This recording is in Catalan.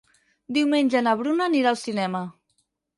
Diumenge na Bruna anirà al cinema.